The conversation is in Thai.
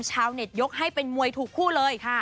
ชาวเน็ตยกให้เป็นมวยถูกคู่เลย